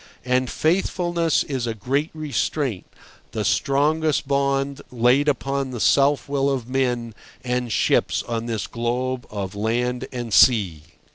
And faithfulness is a great restraint, the strongest bond laid upon the self will of men and ships on this globe of land and sea.